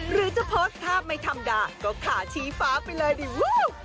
หรือจะโพสท์ถ้าไม่ทำด่าก็ขาชี้ฟ้าไปเลยดิวู้